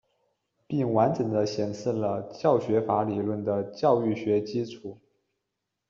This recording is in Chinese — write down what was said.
并完整地显示了教学法理论的教育学基础。